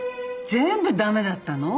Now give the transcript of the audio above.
全部ダメだったの？